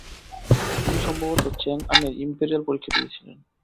তিনি সম্ভবত চ্যাংআনে ইম্পেরিয়াল পরীক্ষা দিয়েছিলেন ।